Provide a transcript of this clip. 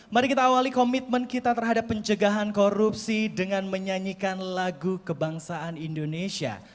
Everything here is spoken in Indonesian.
mari kita awali komitmen kita terhadap pencegahan korupsi dengan menyanyikan lagu kebangsaan indonesia